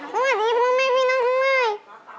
สวัสดีพวกแม่พี่น้องข้างหน้า